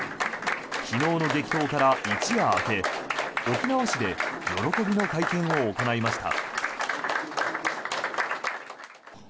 昨日の激闘から一夜明け沖縄市で喜びの会見を行いました。